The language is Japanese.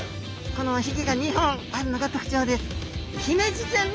このおひげが２本あるのが特徴です。